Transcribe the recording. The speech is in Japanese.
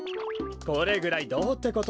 これぐらいどうってことない。